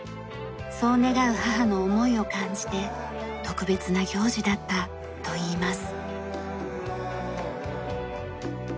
そう願う母の思いを感じて特別な行事だったと言います。